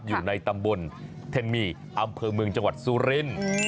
อยู่ในตำบลเทนมีอำเภอเมืองจังหวัดสุรินทร์